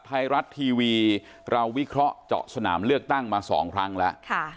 ไทยรัฐทีวีเราวิเคราะห์เจาะสนามเลือกตั้งมา๒ครั้งแล้ว